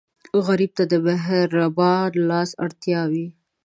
غریب ته د مهربان لاس اړتیا وي